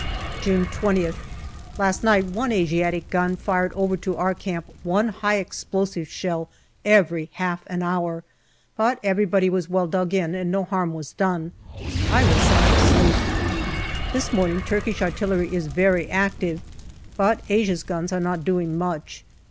June 20th. Last night one Asiatic gun fired over to our camp one high explosive shell every half an hour, but everybody was well dug in, and no harm was done. I was sound asleep. This morning Turkish artillery is very active, but Asia's guns are not doing much.